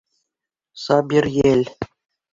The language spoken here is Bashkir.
Сабир йәл.